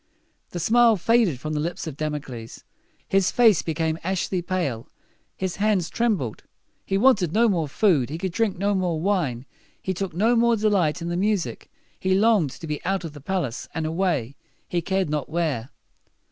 The smile faded from the lips of Damocles. His face became ashy pale. His hands trembled. He wanted no more food; he could drink no more wine; he took no more delight in the music. He longed to be out of the palace, and away, he cared not where.